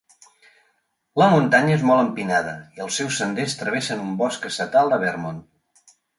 La muntanya és molt empinada, i els seus senders travessen un bosc estatal de Vermont.